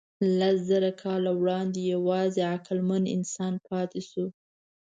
لسزره کاله وړاندې یواځې عقلمن انسان پاتې شو.